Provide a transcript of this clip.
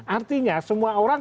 artinya semua orang